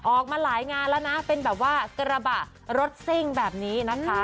ออกมาหลายงานแล้วนะเป็นแบบว่ากระบะรถซิ่งแบบนี้นะคะ